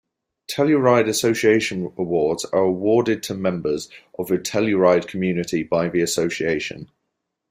Telluride Association Awards are awarded to members of the Telluride community by the Association.